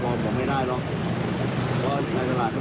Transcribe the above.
พี่อุ๋ยพ่อจะบอกว่าพ่อจะรับผิดแทนลูก